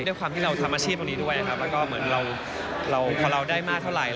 ด้วยความที่เราทำอาชีพตรงนี้ด้วยนะครับแล้วก็เหมือนเราพอเราได้มากเท่าไหร่